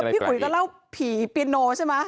อุ๋ยก็เล่าผีเปียโนใช่ไหม